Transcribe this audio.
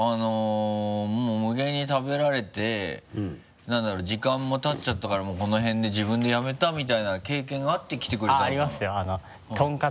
もう無限に食べられてなんだろう時間もたっちゃったからもうこのへんで自分でやめたみたいな経験があって来てくれたのかなとあぁありますよ。